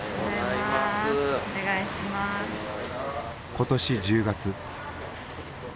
今年１０月。